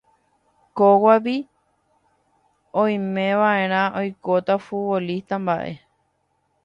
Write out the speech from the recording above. Kóvagui oimeva'erã oikóta futbolista mba'e